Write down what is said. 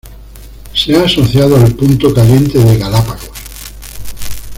Se ha asociado al punto caliente de Galápagos.